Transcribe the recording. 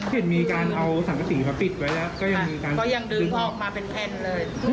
เห็นมีการเอาสังกษีมาปิดไว้แล้วก็ยังมีการก็ยังดึงออกมาเป็นแผ่นเลย